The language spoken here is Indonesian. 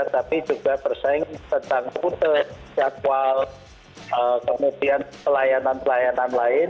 tapi juga bersaing tentang rute jadwal kemudian pelayanan pelayanan lain